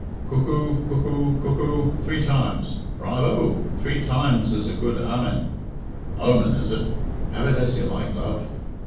'Cuckoo! Cuckoo! Cuckoo!' Three times! Bravo! Three times is a good Amen. Omen is it? Have it as you like, love."